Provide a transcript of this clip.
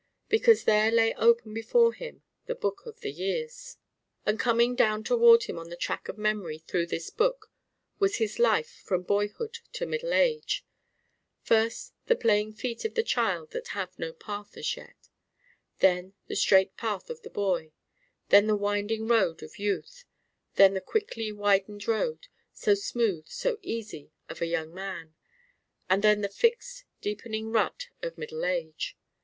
Because there lay open before him the Book of the Years. And coming down toward him on the track of memory through this book was his life from boyhood to middle age: first the playing feet of the child that have no path as yet; then the straight path of the boy; then the winding road of youth; then the quickly widened road, so smooth, so easy, of a young man; and then the fixed deepening rut of middle age.